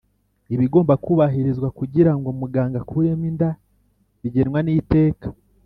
Ibigomba kubahirizwa kugira ngo muganga akuremo inda bigenwa n’iteka